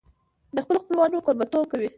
د خپلو خپلوانو کوربهتوب کوي.